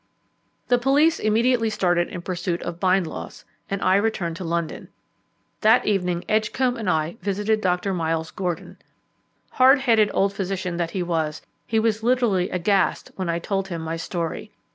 The police immediately started in pursuit of Bindloss, and I returned to London. That evening Edgcombe and I visited Dr. Miles Gordon. Hard headed old physician that he was, he was literally aghast when I told him my story.